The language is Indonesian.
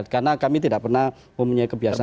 karena kami tidak pernah mempunyai kebiasaan